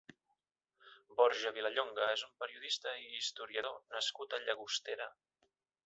Borja Vilallonga és un periodista i historiador nascut a Llagostera.